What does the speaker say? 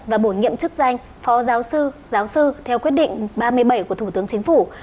và bổ nhiệm chức danh phó giáo sư giáo sư theo quyết định ba mươi bảy của thủ tướng chính phủ